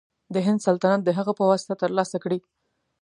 د هند سلطنت د هغه په واسطه تر لاسه کړي.